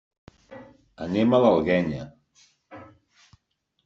Anem a l'Alguenya.